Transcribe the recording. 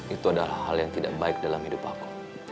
itu adalah hal yang tidak baik dalam hidup aku